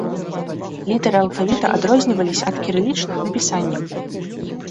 Літары алфавіта адрозніваліся ад кірылічных напісаннем.